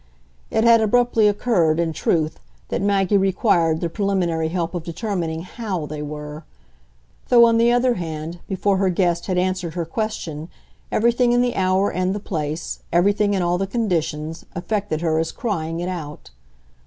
It had abruptly occurred, in truth, that Maggie required the preliminary help of determining HOW they were; though, on the other hand, before her guest had answered her question everything in the hour and the place, everything in all the conditions, affected her as crying it out.